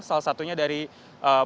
salah satunya dari ppl ppl dan ppl